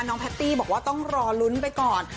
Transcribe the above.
แพตตี้บอกว่าต้องรอลุ้นไปก่อน